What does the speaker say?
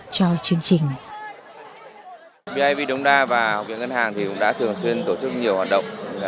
chương trình bidv và học viện ngân hàng cũng đã thường xuyên tổ chức nhiều hoạt động